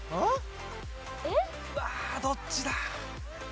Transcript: うわどっちだ？